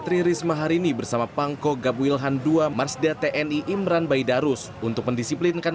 tririsma hari ini bersama pangkok gabwilhan dua marsda tni imran baidarus untuk mendisiplinkan